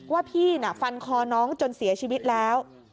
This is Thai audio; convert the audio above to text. ว่าพี่ฟันคอน้องจนเสียชีวิตแล้ว